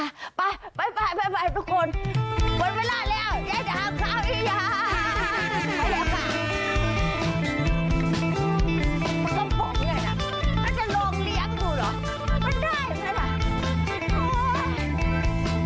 ไปทุกคนหมดเวลาแล้วแย่จะหาข้าวอีกอย่าง